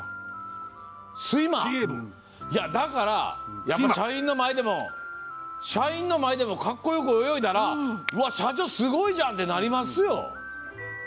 だから、社員の前でもかっこよく泳いだら社長、すごいじゃん！ってなりますよ。